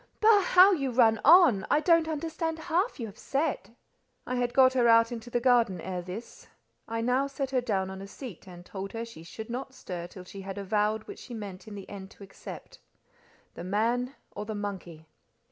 "Bah! How you run on! I don't understand half you have said." I had got her out into the garden ere this. I now set her down on a seat and told her she should not stir till she had avowed which she meant in the end to accept—the man or the monkey.